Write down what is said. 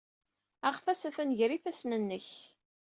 Aɣtas atan gar yifassen-nnek.